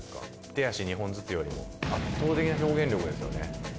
手足２本ずつよりも圧倒的な表現力ですよね。